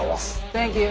サンキュー。